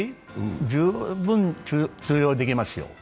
十分通用できますよ。